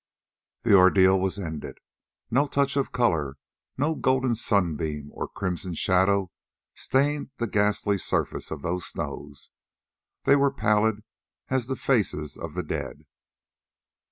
The ordeal was ended. No touch of colour, no golden sunbeam or crimson shadow stained the ghastly surface of those snows, they were pallid as the faces of the dead.